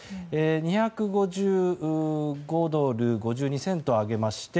２５５ドル５２セント上げまして